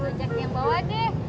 mas ojak yang bawah deh